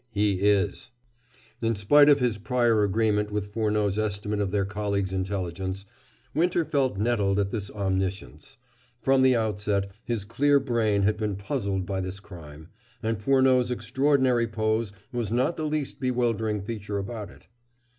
"He is." In spite of his prior agreement with Furneaux's estimate of their colleague's intelligence, Winter felt nettled at this omniscience. From the outset, his clear brain had been puzzled by this crime, and Furneaux's extraordinary pose was not the least bewildering feature about it.